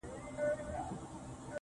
خدایه نور یې د ژوندو له کتار باسه.